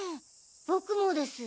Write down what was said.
僕もです。